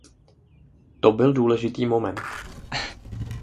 To byl důležitý moment.